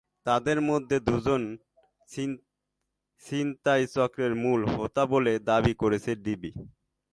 তাঁদের মধ্যে দুজন ছিনতাই চক্রের মূল হোতা বলে দাবি করেছে ডিবি।